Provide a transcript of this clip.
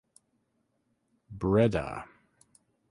Breda.